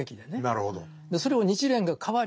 なるほど。